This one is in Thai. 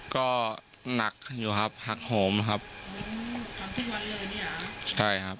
ก็หนักอยู่ครับหักห่มครับครั้งที่ตัวเลยใช่ครับ